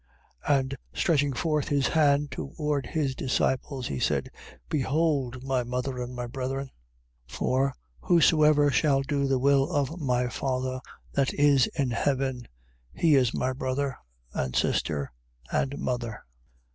And stretching forth his hand towards his disciples, he said: Behold my mother and my brethren. 12:50. For whosoever shall do the will of my Father, that is in heaven, he is my brother, and sister, and mother.